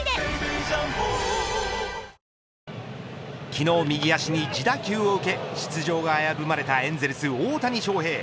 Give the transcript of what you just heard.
昨日、右足に自打球を受け出場が危ぶまれたエンゼルス、大谷翔平